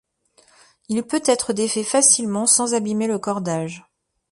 Il peut être défait facilement sans abimer le cordage.